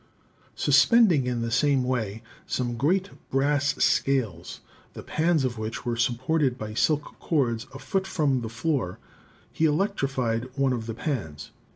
Suspending in the same way some great brass scales, the pans of which were supported by silk cords a foot from the floor, he electrified one of the pans.